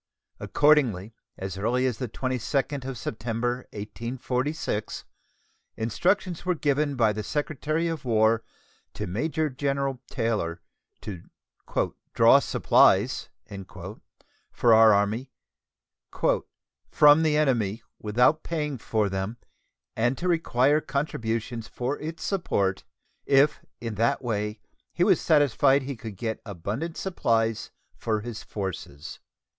Accordingly, as early as the 22d of September, 1846, instructions were given by the Secretary of War to Major General Taylor to "draw supplies" for our Army "from the enemy without paying for them, and to require contributions for its support, if in that way he was satisfied he could get abundant supplies for his forces."